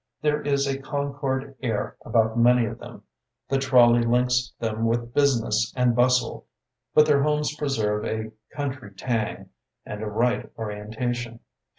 There is a Concord air about many of them. The trolley links them with business and bustle, but their homes preserve a country tang, and a right orientation.